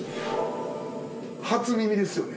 初耳ですよね。